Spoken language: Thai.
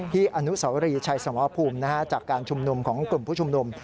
อนุสวรีชัยสมภูมิจากการชุมนุมของกลุ่มผู้ชุมนุม